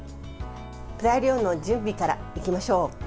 材料の準備から、いきましょう。